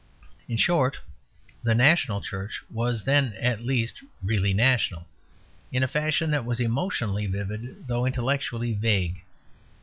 In short, the national church was then at least really national, in a fashion that was emotionally vivid though intellectually vague.